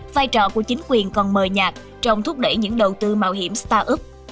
vai trò của chính quyền còn mờ nhạt trong thúc đẩy những đầu tư mạo hiểm start up